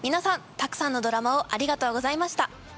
たくさんのドラマをありがとうございました。